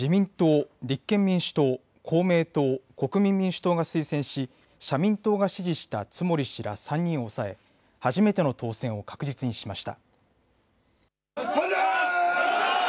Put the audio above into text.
国民民主党が推薦し社民党が推薦した津森氏ら３人を抑え初めての当選を確実にしました。